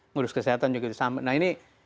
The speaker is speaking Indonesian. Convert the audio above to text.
ngurus kesehatan juga sama nah ini